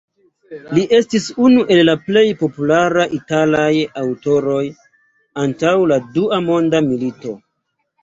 Li estis unu el la plej popularaj italaj aŭtoroj antaŭ la Dua Monda Milito.